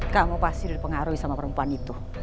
kamu pasti dipengaruhi sama perempuan itu